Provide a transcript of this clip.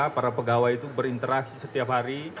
para pegawai itu berinteraksi setiap hari